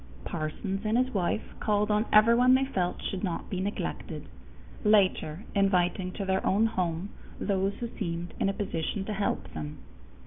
Parsons and his wife called on everyone they felt should not be neglected, later inviting to their own home those who seemed in a position to help them.